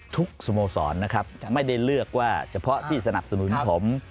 สโมสรนะครับไม่ได้เลือกว่าเฉพาะที่สนับสนุนผม